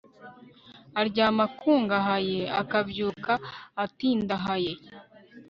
aryama akungahaye, akabyuka atindahaye